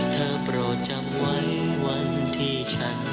เธอโปรดจำไว้วันที่ฉันรอ